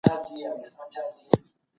موسک و د رقیب سره په تریو تندي مې پوهه شو